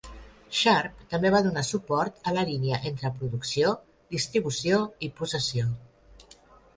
Sharpe també va donar suport a la línia entre producció, distribució i possessió.